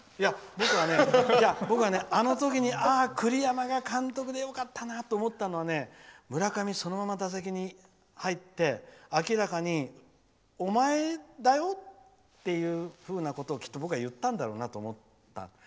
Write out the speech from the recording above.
僕はね、あの時に栗山が監督でよかったなと思ったのはね村上がそのまま打席に入って明らかにお前だよ？っていうことをきっと言ったんだろうなと僕は思った。